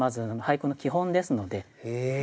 へえ！